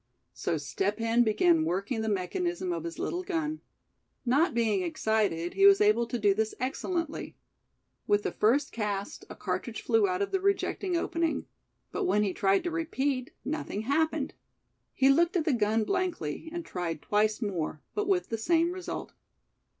So Step Hen began working the mechanism of his little gun. Not being excited, he was able to do this excellently. With the first cast a cartridge flew out of the rejecting opening; but when he tried to repeat, nothing happened. He looked at the gun blankly, and tried twice more; but with the same result.